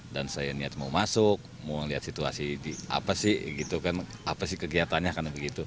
dan saya niat mau masuk mau lihat situasi apa sih kegiatannya